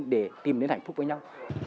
để tìm đến hạnh phúc với nhau